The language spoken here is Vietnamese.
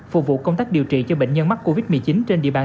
phục vụ công tác điều trị cho bệnh viện